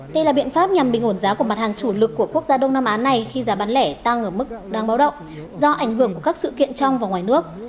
đây là biện pháp nhằm bình ổn giá của mặt hàng chủ lực của quốc gia đông nam á này khi giá bán lẻ tăng ở mức đáng báo động do ảnh hưởng của các sự kiện trong và ngoài nước